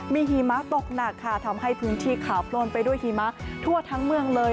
มีหิมะตกหนักค่ะทำให้พื้นที่ขาวปล้นไปด้วยหิมะทั่วทั้งเมืองเลย